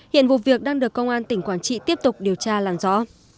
hiện vụ việc đang được công an tỉnh quảng trị tiếp tục điều tra làm rõ